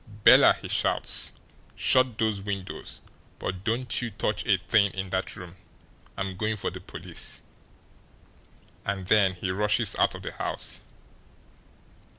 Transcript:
'Bella,' he shouts, 'shut those windows, but don't you touch a thing in that room. I'm going for the police.' And then he rushes out of the house."